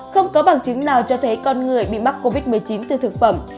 không có bằng chứng nào cho thấy con người bị mắc covid một mươi chín từ thực phẩm